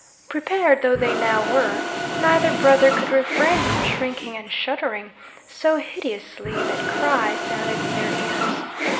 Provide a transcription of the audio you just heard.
Prepared though they now were, neither brother could refrain from shrinking and shuddering, so hideously that cry sounded in their ears.